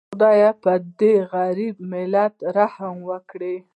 خدایه پدې غریب ملت رحم وکړي